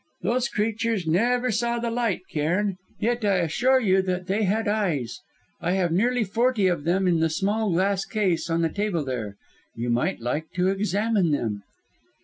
Those creatures never saw the light, Cairn. Yet I assure you that they had eyes. I have nearly forty of them in the small glass case on the table there. You might like to examine them."